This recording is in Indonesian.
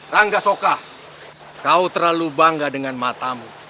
rangga soka kau terlalu bangga dengan matamu